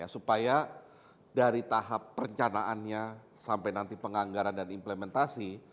supaya dari tahap perencanaannya sampai nanti penganggaran dan implementasi